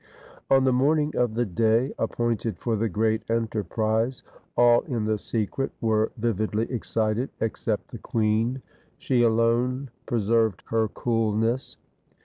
On the morning of the day appointed for the great enterprise, all in the secret were vividly excited except the queen. She alone preserved her coolness.